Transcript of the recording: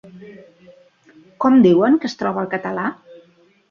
Com diuen que es troba el català?